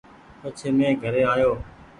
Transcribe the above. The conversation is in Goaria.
پڇي مين گھري آيو ۔